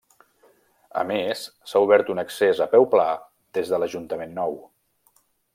A més, s'ha obert un accés a peu pla des de l'Ajuntament nou.